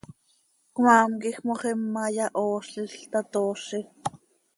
Cmaam quij moxima yahoozlil, tatoozi.